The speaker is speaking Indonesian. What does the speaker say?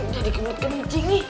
gak dikenutkan cingih